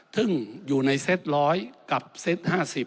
ซึ่งอยู่ในเซต๑๐๐กับเซต๕๐